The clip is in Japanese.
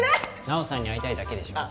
奈緒さんに会いたいだけでしょ？